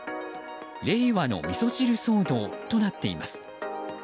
令和のみそ汁騒動となっています。